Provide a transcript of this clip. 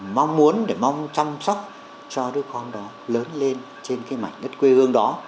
mong muốn để mong chăm sóc cho đứa con đó lớn lên trên cái mảnh đất quê hương đó